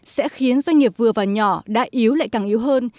sẽ khiến doanh nghiệp vừa và nhỏ đã yếu lại càng yếu hơn